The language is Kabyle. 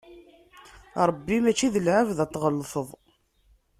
Ṛebbi mačči d lɛebd ad t-tɣellṭeḍ.